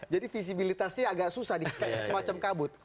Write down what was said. jadi visibilitasnya agak susah kayak semacam kabut